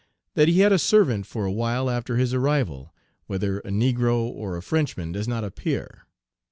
That he had a servant for a while after his arrival, whether a negro or a Frenchman, does not appear.